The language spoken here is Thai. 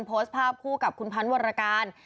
โพสต์ภาพคู่กับคุณพันธ์วรการ